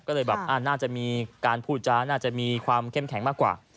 ก็เลยแบบน่าจะมีการพูดจาน่าจะมีความเข้มแข็งมากกว่า